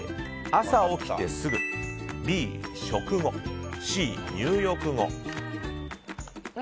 Ａ、朝起きてすぐＢ、食後Ｃ、入浴後。